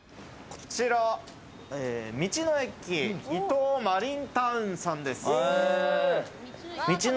道の駅・伊東マリンタウンさんです。